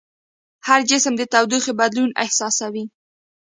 هر جسم د تودوخې بدلون احساسوي.